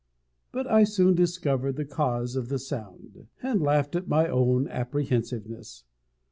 But I soon discovered the cause of the sound, and laughed at my own apprehensiveness.